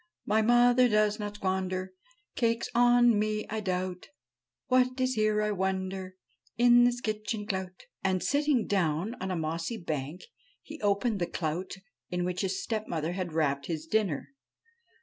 My mother does not squander Cakes on me, I doubt ; What is here, I wonder, In this kitchen clout f ' And, sitting down on a mossy bank, he opened the clout in which his stepmother had wrapped his dinner.